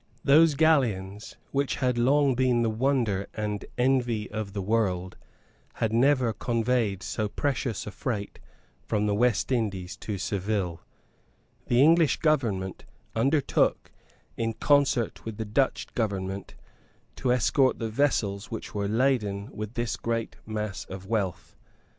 Those galleons which had long been the wonder and envy of the world had never conveyed so precious a freight from the West Indies to Seville. The English government undertook, in concert with the Dutch government, to escort the vessels which were laden with this great mass of wealth.